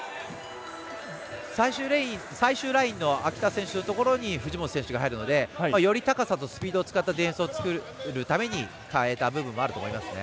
最終ラインの秋田選手の所に藤本選手が入るのでより高さとスピードを使ったディフェンスをつくるためにかえた部分もあると思いますね。